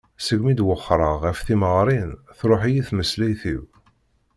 Seg mi i d-wexreɣ ɣef temɣarin truḥ-iyi tmeslayt-iw.